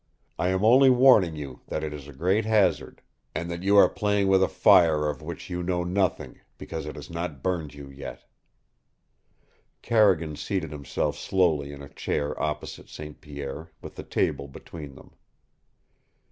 I am only warning you that it is a great hazard, and that you are playing with a fire of which you know nothing, because it has not burned you yet." Carrigan seated himself slowly in a chair opposite St. Pierre, with the table between them.